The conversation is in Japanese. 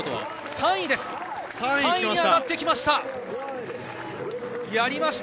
３位に上がってきました。